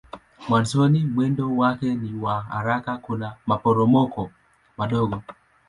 Mwanzoni mwendo wake ni wa haraka kuna maporomoko madogo.